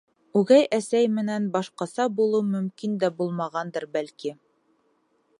Үгәй әсәй менән башҡаса булыу мөмкин дә булмағандыр, бәлки.